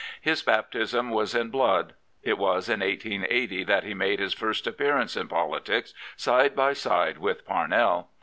His baptism was in blood. It was in 1880 that he made his first appearance in politics side by side with Parnell.